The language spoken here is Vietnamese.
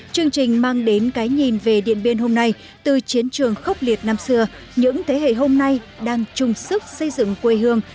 chương trình mang đến cái nhìn về điện biên hôm nay từ chiến trường khốc liệt năm xưa những thế hệ hôm nay đang chung sức xây dựng quê hương